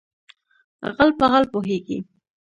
ـ غل په غل پوهېږي.